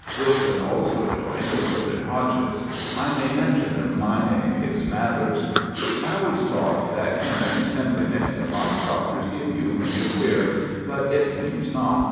Wilson also joined, and so did Hodges. I may mention my name is Mathers. I always thought that chemists simply mix the muck doctors give you when you're queer, but it seems not.